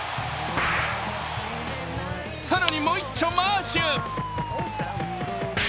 更にもう一丁、マーシュ。